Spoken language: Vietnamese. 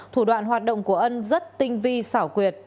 thủ đoạn hoạt động của ân rất tinh vi xảo quyệt